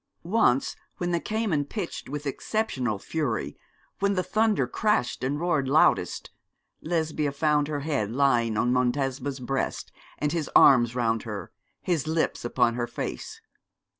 Once when the Cayman pitched with exceptional fury, when the thunder crashed and roared loudest, Lesbia found her head lying on Montesma's breast and his arms round her, his lips upon her face.